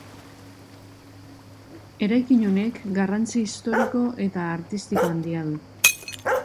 Eraikin honek garrantzi historiko eta artistiko handia du.